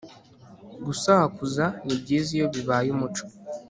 gusakuza ni byiza iyo bibaye umuco